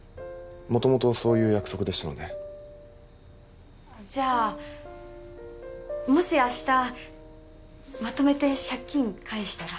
もともとそういう約束でしたのでじゃあもし明日まとめて借金返したら？